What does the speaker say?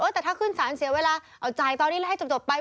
แต่ถ้าขึ้นสารเสียเวลาเอาจ่ายตอนนี้แล้วให้จบไป